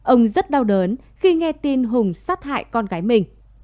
ông rất đau đớn khi nghe tin hùng sát hại con gái mình